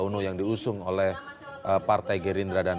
uno yang diusung oleh partai gerindra dan